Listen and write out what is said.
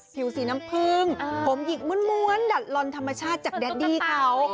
ผิวสีน้ำผึ้งผมหยิกม้วนดัดลอนธรรมชาติจากแดดดี้เขา